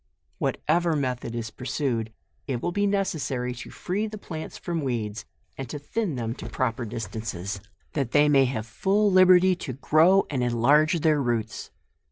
"Whatever method is pur»ued, it will be necessary to free the plants from weeds, and to thin them to proper distances, that they may have full liberty to grow and enlarge their roots.